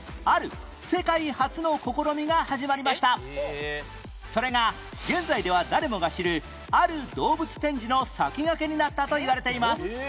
そこでそれが現在では誰もが知るある動物展示の先駆けになったといわれています